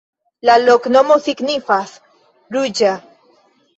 La loknomo signifas: ruĝa.